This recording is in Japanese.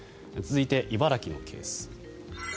続いて、茨城のケース。